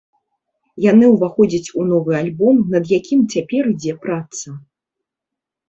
Яны ўваходзяць у новы альбом, над якім цяпер ідзе праца.